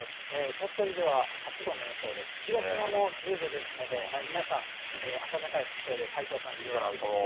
鳥取では８度の予想で、広島も１０度ですので、皆さん、暖かい服装で体調管理、要注意ですね。